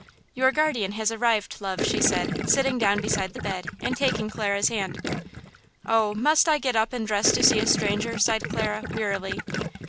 "Your guardian has arrived, love," she said, sitting down beside the bed and taking Clara's hand. "Oh, must I get up and dress to see a stranger?" sighed Clara, wearily.